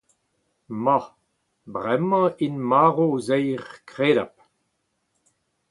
Ma !Bremañ int marv o-zeir, kredabl.